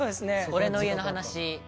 「俺の家の話」